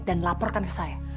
dan laporkan ke saya